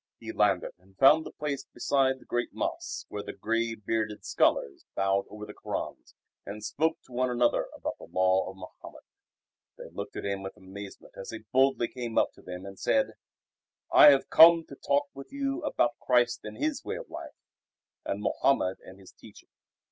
He landed and found the place beside the great mosque where the grey bearded scholars bowed over their Korans and spoke to one another about the law of Mohammed. They looked at him with amazement as he boldly came up to them and said, "I have come to talk with you about Christ and His Way of Life, and Mohammed and his teaching.